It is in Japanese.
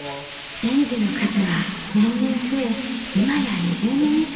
園児の数は年々増え今や２０人以上。